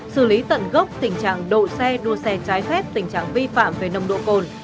xử lý tận gốc tình trạng độ xe đua xe trái phép tình trạng vi phạm về nồng độ cồn